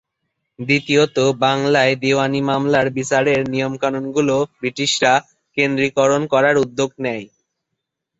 দ্বিতীয়ত, বাংলায় দেওয়ানি মামলার বিচারের নিয়ম-কানুনগুলো ব্রিটিশরা কেন্দ্রীকরণ করার উদ্যোগ নেয়।